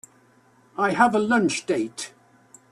I have a lunch date.